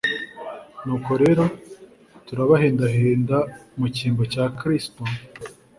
Nuko rero, turabahendahenda mu cyimbo cya Kristo,